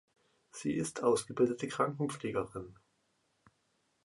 Sie ist ausgebildete Krankenpflegerin.